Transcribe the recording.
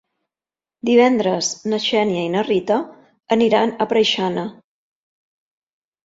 Divendres na Xènia i na Rita aniran a Preixana.